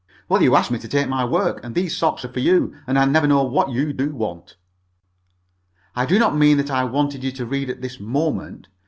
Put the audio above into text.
"Well, you asked me to take my work, and these socks are for you, and I never know what you do want." "I did not mean that I wanted you to read at this moment.